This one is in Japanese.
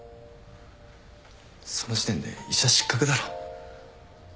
その時点で医者失格だろ。